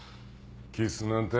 キスなんて